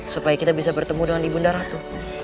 supaya kita bisa bertemu dengan ibu nda ratu